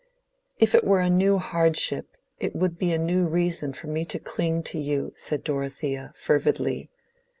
"If it were a new hardship it would be a new reason for me to cling to you," said Dorothea, fervidly.